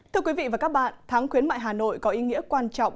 thưa quý vị và các bạn tháng khuyến mại hà nội có ý nghĩa quan trọng